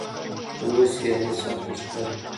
اوس سیالي سخته ښکاري.